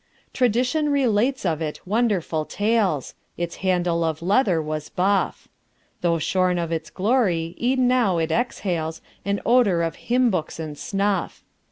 Tradition relates of it wonderful tales. Its handle of leather was buff. Though shorn of its glory, e'en now it exhales An odor of hymn books and snuff.